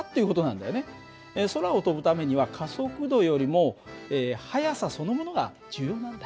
空を飛ぶためには加速度よりも速さそのものが重要なんだ。